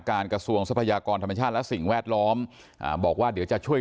ก็เลยยิงสวนไปแล้วถูกเจ้าหน้าที่เสียชีวิต